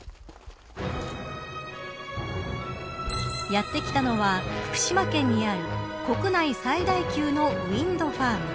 やって来たのは、福島県にある国内最大級のウィンドファーム。